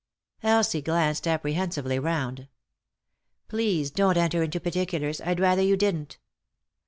Elsie glanced apprehensively round. " Please don't enter into particulars, I'd rather you didn't."